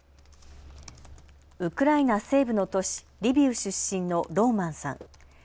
ウクライナ西部の都市、リビウ出身のローマンさん。